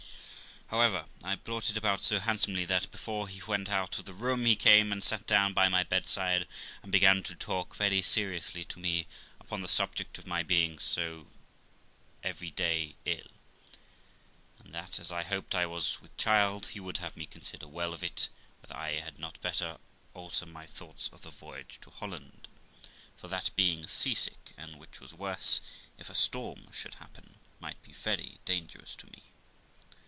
However, I brought it about so handsomely, that, before he went out of the room, he came and sat down by my bedside, and began to talk very seriously to me upon the subject of my being so every day ill, and that, as he hoped I was with child, he would have me consider well of it, whether I had not best alter my thoughts of the voyage to Holland; for that being sea sick, and which was worse, if a storm should happen, might be very dangerous to me.